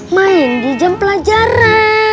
main di jam pelajaran